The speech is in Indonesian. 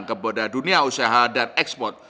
kepada dunia usaha dan ekspor